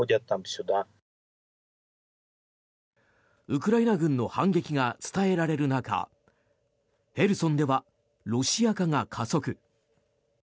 ウクライナ軍の反撃が伝えられる中ヘルソンではロシア化が加速。